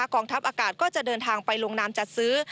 กองทัพอากาศก็จะเดินทางไปลงนามจัดซื้อ